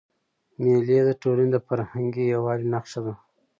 مېلې د ټولني د فرهنګي یووالي نخښه ده.